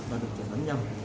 và được chẩn đoán nhầm